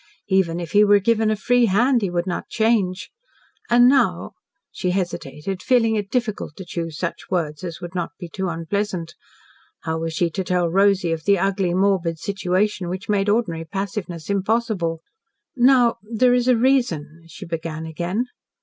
Even if he were given a free hand he would not change. And now " She hesitated, feeling it difficult to choose such words as would not be too unpleasant. How was she to tell Rosy of the ugly, morbid situation which made ordinary passiveness impossible. "Now there is a reason " she began again.